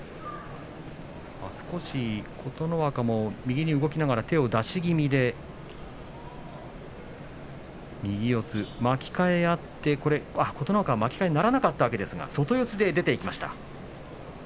少し琴ノ若も右に動きながら手を出し気味で右四つ、巻き替えあって琴ノ若は巻き替えがならなくて外四つでした。